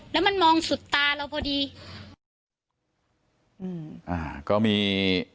แล้วมันมองสุดตาเราพอดี